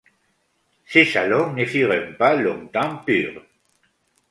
Ces salons ne furent pas longtemps purs.